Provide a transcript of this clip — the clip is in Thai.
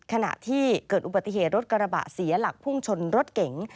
ขณะที่เกิดอุบัติเหตุรถกระบะเสียหลักพุ่งชนรถเก๋ง